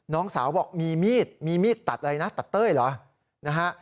น้องสาวบอกมีมีดมีมีดตัดอะไรนะตัดเต้ยเหรอนะฮะ